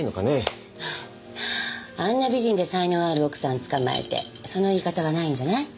あんな美人で才能ある奥さんつかまえてその言い方はないんじゃない？